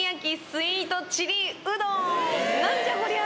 何じゃこりゃ